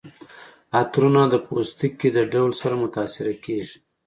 عطرونه د پوستکي د ډول سره متاثره کیږي.